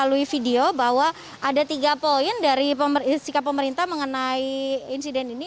melalui video bahwa ada tiga poin dari sikap pemerintah mengenai insiden ini